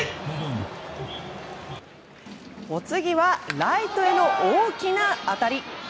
お次はライトへの大きな当たり。